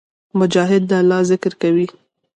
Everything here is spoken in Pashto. مجاهد د الله ذکر کوي.